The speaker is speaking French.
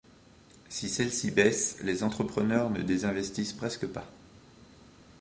Si celle-ci baisse, les entrepreneurs ne désinvestissent presque pas.